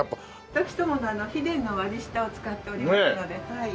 私どもの秘伝の割り下を使っておりますのではい。